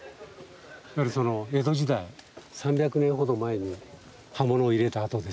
いわゆるその江戸時代３００年ほど前に刃物を入れた痕ですね。